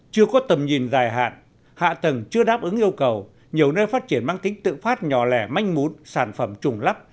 chưa có tầm nhìn dài hạn hạ tầng chưa đáp ứng yêu cầu nhiều nơi phát triển mang tính tự phát nhỏ lẻ manh mún sản phẩm trùng lắp